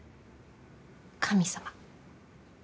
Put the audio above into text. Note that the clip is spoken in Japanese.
神様。